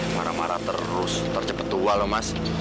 marah marah terus tercepet tua loh mas